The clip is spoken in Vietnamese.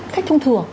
khách thông thường